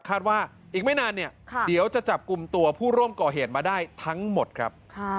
ว่าอีกไม่นานเนี่ยเดี๋ยวจะจับกลุ่มตัวผู้ร่วมก่อเหตุมาได้ทั้งหมดครับ